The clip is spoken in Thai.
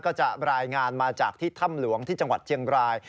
ก็จะรายงานมาจากที่ถ้ำหลวงที่จังหวัดเชียงราย